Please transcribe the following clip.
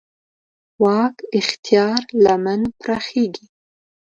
واک اختیار لمن پراخېږي.